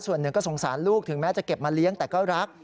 ส่วนหนึ่งก็สงสารลูกถึงแม้จะเก็บมาเลี้ยงแต่ก็รัก